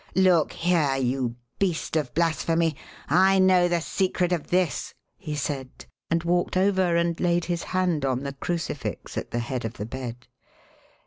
Look here, you beast of blasphemy: I know the secret of this," he said, and walked over and laid his hand on the crucifix at the head of the bed.